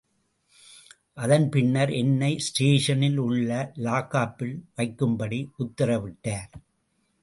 அதன் பின்னர் என்னை ஸ்டேஷனில் உள்ள லாக்கப்பில் வைக்கும்படி உத்தரவிட்டார்.